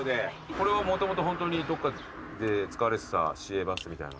これはもともとホントにどっかで使われてた市営バスみたいな？